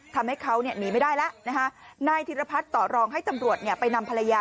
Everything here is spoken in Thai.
ทำให้เขาเนี่ยหนีไม่ได้แล้วนะคะนายธิรพัฒน์ต่อรองให้ตำรวจไปนำภรรยา